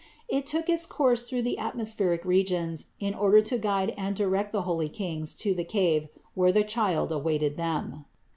It took its course through the atmospheric regions in order to guide and direct the holy Kings to the cave, where the Child awaited them.